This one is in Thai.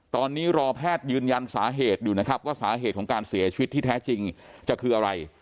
ตอนนี้รอแพทย์ยืนยันสาเหตุอยู่นะครับว่าสาเหตุของการเสียชีวิตที่แท้จริงจะคืออะไร